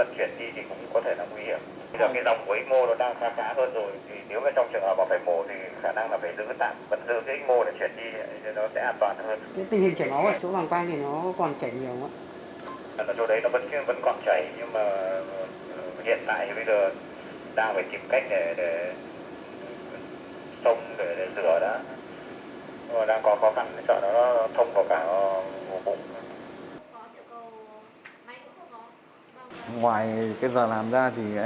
dịch bệnh bố mẹ